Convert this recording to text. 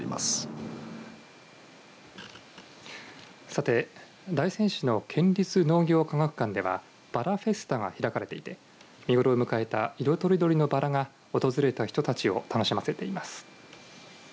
さて、大仙市の県立農業科学館ではバラフェスタが開かれていて見頃を迎えた色とりどりのバラが訪れた人たちを楽しませています。